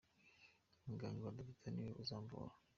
Umuganga wa data niwe uzamvura.